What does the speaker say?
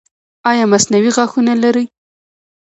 ایا مصنوعي غاښونه لرئ؟